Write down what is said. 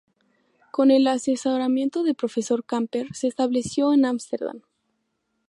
Con el asesoramiento del Profesor Camper, se estableció en Ámsterdam.